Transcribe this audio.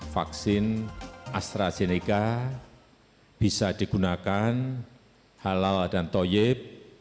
vaksin astrazeneca bisa digunakan halal dan toyib